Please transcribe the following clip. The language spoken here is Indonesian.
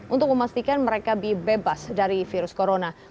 untuk memastikan mereka dibebas dari virus corona